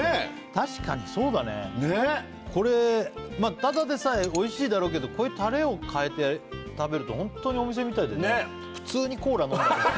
確かにそうだねねっこれただでさえおいしいだろうけどこういうタレを変えて食べるとホントにお店みたいだよねねえ